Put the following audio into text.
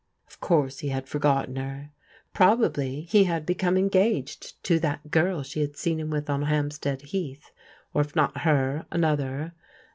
Of course be bad forgotten ber. Prob ably he bad become engaged to dtat girl she bad seen him with on Hampstead Heatb, or if not ber, aootber.